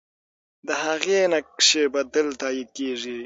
د هغې نقش به تل تایید کېږي.